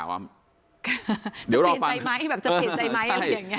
จะเป็นใจไหม